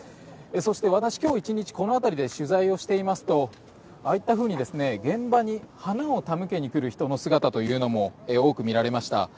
そして、私今日１日この辺りで取材をしていますとああいったふうに現場に花を手向けに来る人の姿というのも多く見られました。